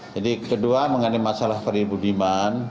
jadi kedua mengenai masalah peribudiman